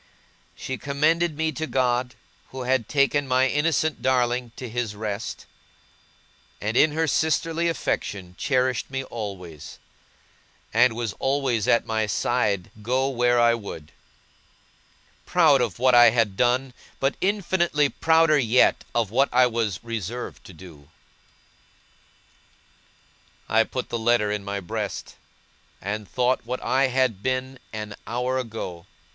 She commended me to God, who had taken my innocent darling to His rest; and in her sisterly affection cherished me always, and was always at my side go where I would; proud of what I had done, but infinitely prouder yet of what I was reserved to do. I put the letter in my breast, and thought what had I been an hour ago!